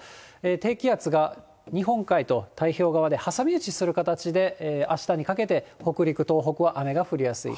低気圧が日本海と太平洋側で挟み撃ちする形で、あしたにかけて北陸、東北は雨が降りやすい。